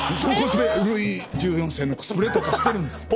ルイ１４世のコスプレとかしてるんです。